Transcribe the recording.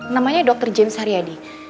namanya dokter james haryadi